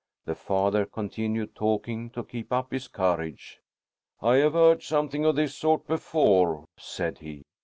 The father continued talking to keep up his courage. "I have heard something of this sort before," said he.